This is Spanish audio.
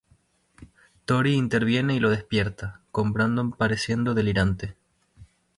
Tori interviene y lo despierta, con Brandon pareciendo delirante.